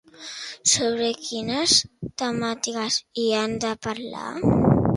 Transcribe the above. Sobre quines temàtiques hi han de parlar?